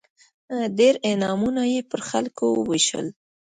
ډېر انعامونه یې پر خلکو ووېشل.